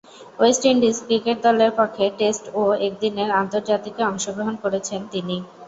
West Indies cricket দলের পক্ষে test ও একদিনের আন্তর্জাতিকে অংশগ্রহণ করেছেন তিনি।